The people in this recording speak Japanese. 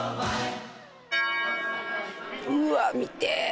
うわ見て。